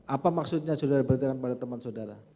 apa maksudnya sudah diberitakan pada teman saudara